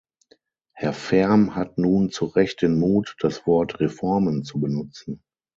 Herr Färm hat nun zu Recht den Mut, das Wort "Reformen" zu benutzen.